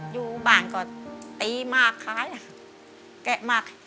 อยู่บ้านก็ตีมากขายแกะมาก